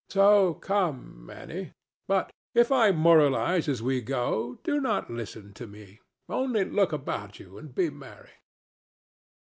So come, Annie; but if I moralize as we go, do not listen to me: only look about you and be merry.